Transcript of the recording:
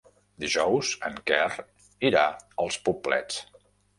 Dijous en Quer irà als Poblets.